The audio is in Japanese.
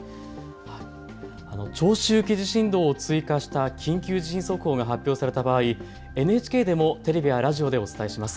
長周期地震動を追加した緊急地震速報が発表された場合、ＮＨＫでもテレビやラジオでお伝えします。